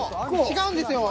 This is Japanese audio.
違うんですよ。